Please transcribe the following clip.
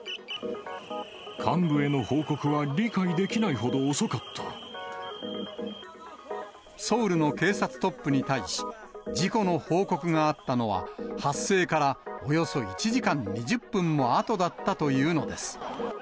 幹部への報告は、理解できなソウルの警察トップに対し、事故の報告があったのは、発生からおよそ１時間２０分もあとだったというのです。